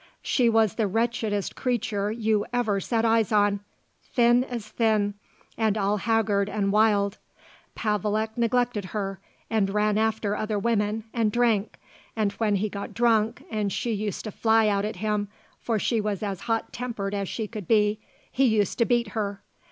She was the wretchedest creature you ever set eyes on; thin as thin; and all haggard and wild. Pavelek neglected her and ran after other women and drank, and when he got drunk and she used to fly out at him for she was as hot tempered as she could be he used to beat her.